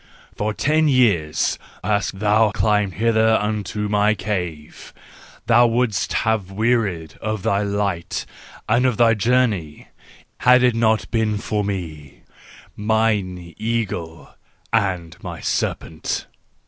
For ten years hast thou climbed hither unto my cave: thou wouldst have wearied of thy light and of the journey, had it not been for me, mine eagle, and my serpent.